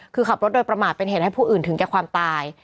คือขับรถโดยประมาทเป็นเหตุให้ผู้อื่นถึงแก่ความตาย